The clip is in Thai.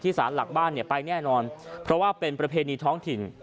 สารหลักบ้านเนี่ยไปแน่นอนเพราะว่าเป็นประเพณีท้องถิ่น